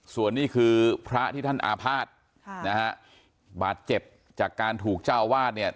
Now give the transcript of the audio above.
ส่วนนี้คือพระที่ท่านอาภาษณ์ค่ะนะฮะบาดเจ็บจากการถูกเจ้าวาดเนี่ย